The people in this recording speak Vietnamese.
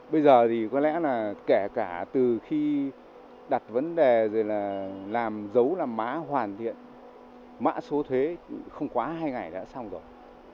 bây giờ thì có lẽ là kể cả từ khi đặt vấn đề rồi là làm dấu làm mã hoàn thiện mã số thuế không quá hai ngày đã xong rồi